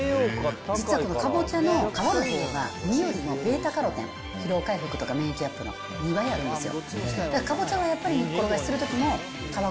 実はこのかぼちゃの皮のほうが、実よりもβカロテン、疲労回復とか免疫力アップの、２倍あるんですよ。